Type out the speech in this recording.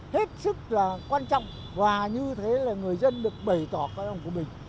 hết sức là quan trọng và như thế là người dân được bày tỏ con ông của mình